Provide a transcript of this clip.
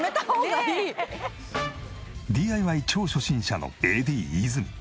ＤＩＹ超初心者のＡＤ泉。